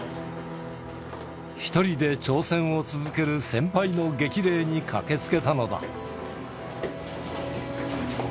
１人で挑戦を続ける先輩の激励に駆けつけたのだ。